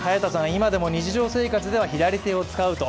今でも日常生活では左手を使うと。